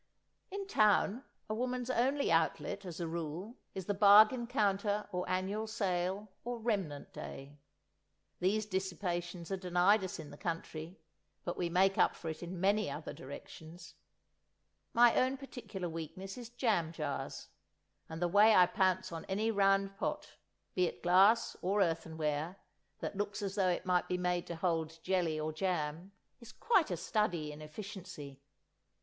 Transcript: In town a woman's only outlet, as a rule, is the bargain counter or annual sale or remnant day. These dissipations are denied us in the country, but we make up for it in many other directions. My own particular weakness is jam jars, and the way I pounce on any round pot, be it glass or earthenware, that looks as though it might be made to hold jelly or jam, is quite a study in efficiency.